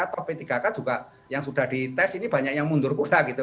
atau p tiga k juga yang sudah dites ini banyak yang mundur pula gitu